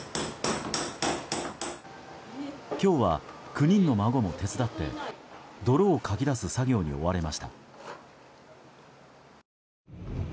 今日は９人の孫も手伝って泥をかき出す作業に追われました。